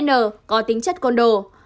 n có tính chất con đồ